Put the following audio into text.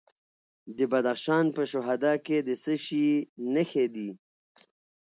د بدخشان په شهدا کې د څه شي نښې دي؟